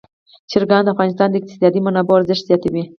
چرګان د افغانستان د اقتصادي منابعو ارزښت زیاتوي.